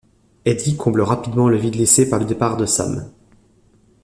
Hedy comble rapidement le vide laissé par le départ de Sam.